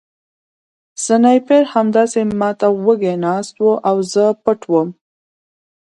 سنایپر همداسې ما ته وږی ناست و او زه پټ وم